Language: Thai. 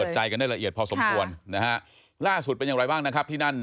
ใจกันได้ละเอียดพอสมควรนะฮะล่าสุดเป็นอย่างไรบ้างนะครับที่นั่น